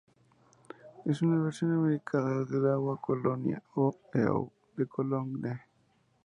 Es una versión americana del Agua de Colonia, o "Eau de Cologne".